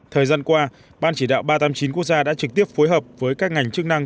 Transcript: thời gian qua ban chỉ đạo ba trăm tám mươi chín quốc gia đã trực tiếp phối hợp với các ngành chức năng